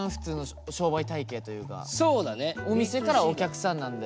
お店からお客さんなんで。